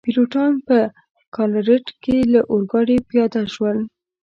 پیلوټان په ګالاریټ کي له اورګاډي پیاده شول.